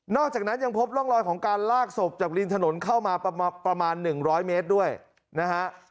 อกจากนั้นยังพบร่องรอยของการลากศพจากริมถนนเข้ามาประมาณ๑๐๐เมตรด้วยนะฮะ